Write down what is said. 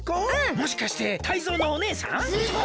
もしかしてタイゾウのお姉さん？ズコ！